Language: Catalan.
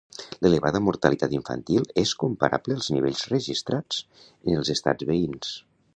L'elevada mortalitat infantil és comparable als nivells registrats en els estats veïns.